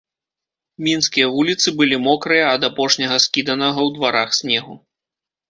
Мінскія вуліцы былі мокрыя ад апошняга скіданага ў дварах снегу.